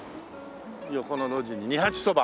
横の路地に「二八そば」。